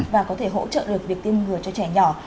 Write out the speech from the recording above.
và có thể hỗ trợ được việc tiêm ngừa cho trẻ nhỏ